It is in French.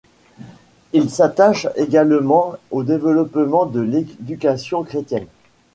Il s'attache également au développement de l'éducation chrétienne.